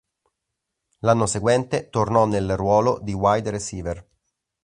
L'anno seguente tornò nel ruolo di wide receiver.